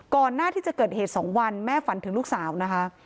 ก่อนหน้าที่จะเกิดเหตุ๒วันแม่ฝันถึงลูกสาวนะคะ